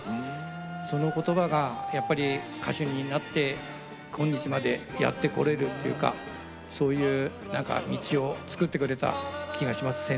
その言葉がやっぱり歌手になって今日までやってこられるというか道を作ってくださった気がします